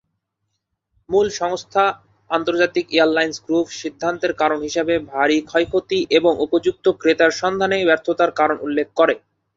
মূল সংস্থা, আন্তর্জাতিক এয়ারলাইন্স গ্রুপ, সিদ্ধান্তের কারণ হিসাবে ভারী ক্ষয়ক্ষতি এবং উপযুক্ত ক্রেতার সন্ধানে ব্যর্থতার কারণ উল্লেখ করে।